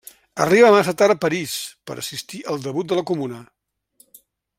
Arriba massa tard a París per assistir al debut de la Comuna.